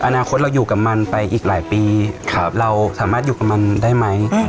อนาคตเราอยู่กับมันไปอีกหลายปีเราสามารถอยู่กับมันได้ไหม